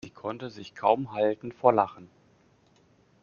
Sie konnte sich kaum halten vor Lachen.